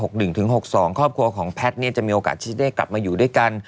ครอบครัวของแพทย์จะมีโอกาสที่ได้กลับมาอยู่ด้วยกัน